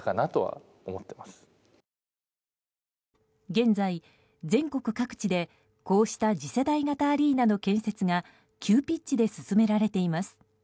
現在、全国各地でこうした次世代型アリーナの建設が急ピッチで進められています。